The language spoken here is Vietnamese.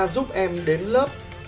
giúp em đến lớp